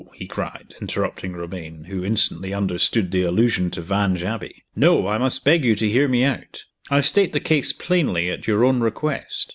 he cried, interrupting Romayne, who instantly understood the allusion to Vange Abbey "no! I must beg you to hear me out. I state the case plainly, at your own request.